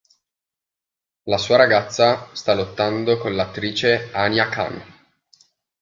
La sua ragazza sta lottando con l'attrice Anya Khan.